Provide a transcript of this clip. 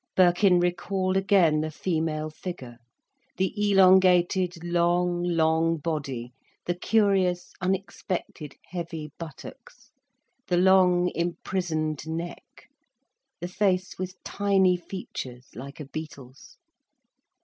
Birkin recalled again the female figure: the elongated, long, long body, the curious unexpected heavy buttocks, the long, imprisoned neck, the face with tiny features like a beetle's.